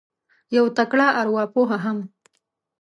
یو تکړه اروا پوه هم